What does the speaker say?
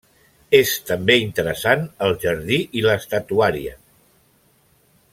És també interessant el jardí i l'estatuària.